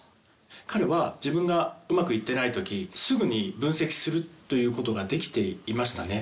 彼は自分がうまくいってない時すぐに分析するということができていましたね。